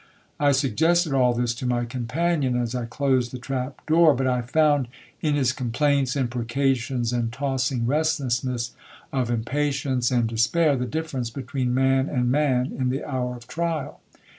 I suggested all this to my companion as I closed the trap door; but I found in his complaints, imprecations, and tossing restlessness of impatience and despair, the difference between man and man in the hour of trial.